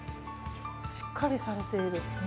しっかりされている。